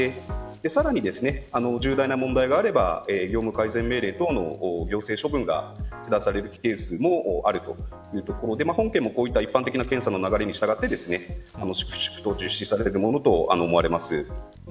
さらに、重大な問題があれば業務改善命令等の行政処分が下されるケースもあるというところで本件も、こういった一般的な検査の流れに従って粛々と実施されるものと思われます。